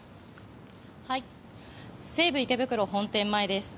西武池袋本店前です。